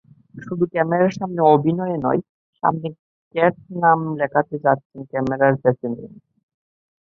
শুধু ক্যামেরার সামনে অভিনয়ে নয়, সামনে কেট নাম লেখাতে যাচ্ছেন ক্যামেরার পেছনেও।